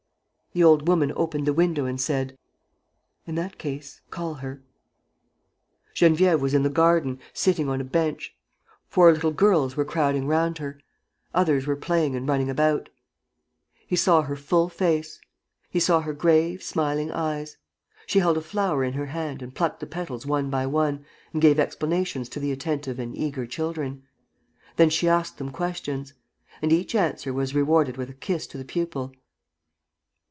The old woman opened the window and said: "In that case, call her." Geneviève was in the garden, sitting on a bench. Four little girls were crowding round her. Others were playing and running about. He saw her full face. He saw her grave, smiling eyes. She held a flower in her hand and plucked the petals one by one and gave explanations to the attentive and eager children. Then she asked them questions. And each answer was rewarded with a kiss to the pupil.